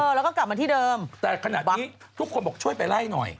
แล้วก็กลับมาที่เดิมแต่ขณะนี้ทุกคนบอกช่วยไปไล่หน่อย